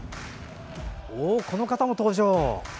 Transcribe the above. おお、この方も登場！